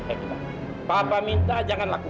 evita papa minta jangan lakukan itu